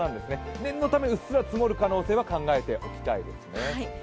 念のためうっすら積もる可能性は考えておきたいですね。